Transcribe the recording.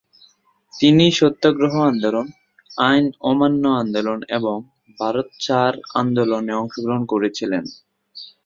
তিনি সত্যাগ্রহ আন্দোলন, আইন অমান্য আন্দোলন এবং ভারত ছাড় আন্দোলনে অংশগ্রহণ করেছিলেন।